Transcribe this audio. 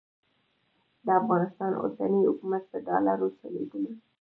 د افغانستان اوسنی حکومت په ډالرو چلېدلی.